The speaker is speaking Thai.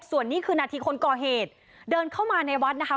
ส่วนนี้คือนาทีคนก่อเหตุเดินเข้ามาในวัดนะคะ